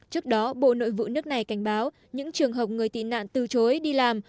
trước đó bộ nội vụ nước này cảnh báo những trường hợp người tị nạn từ chối đi làm